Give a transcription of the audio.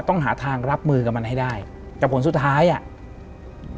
ต้องหาทางรับมือกับมันให้ได้แต่ผลสุดท้ายอ่ะ